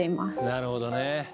なるほどね。